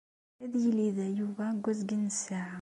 Ad yili da Yuba deg azgen n ssaɛa.